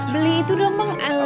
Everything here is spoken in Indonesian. beli itu dong